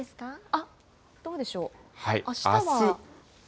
あっ、どうでしょう？